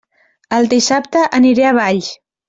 El dissabte aniré a Valls!